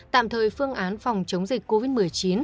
tạm thời phương án phòng chống dịch covid một mươi chín